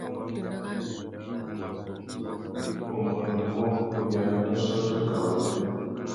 Ungôndômô, u yānamú ussôtô kā wambêrê.